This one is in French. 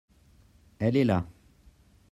elle est là.